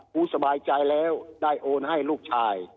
กูสบายใจแล้วได้โอนให้ลูกชาย